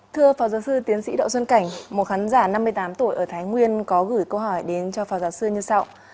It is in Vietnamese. thưa phó giáo sư tiến sĩ đỗ xuân cảnh một khán giả năm mươi tám tuổi ở thái nguyên có gửi câu hỏi đến cho phó giáo sư như sau